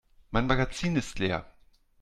Mein Magazin ist leer.